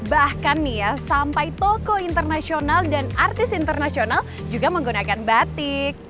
bahkan nih ya sampai toko internasional dan artis internasional juga menggunakan batik